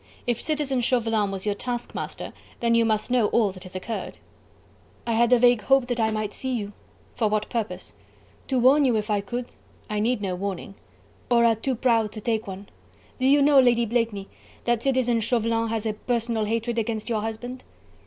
If Citizen Chauvelin was your taskmaster, then you must know all that has occurred." "I had a vague hope that I might see you." "For what purpose?" "To warn you if I could." "I need no warning." "Or are too proud to take one.... Do you know, Lady Blakeney, that Citizen Chauvelin has a personal hatred against your husband?"